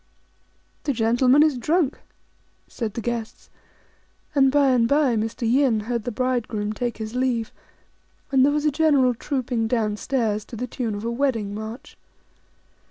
"The gentleman is drunk," said the guests ; and by and by Mr. Yin heard the bridegroom take his leave, and there was a general trooping down stairs to the tune of a wedding march.